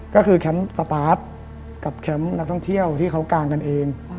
ก็คือแคมป์สปาร์ทกับแคมป์นักท่องเที่ยวที่เขากางกันเอง